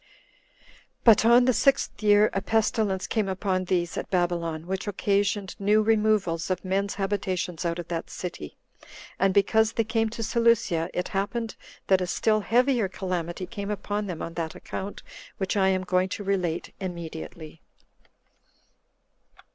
But on the sixth year, a pestilence came upon these at Babylon, which occasioned new removals of men's habitations out of that city; and because they came to Seleucia, it happened that a still heavier calamity came upon them on that account which I am going to relate immediately.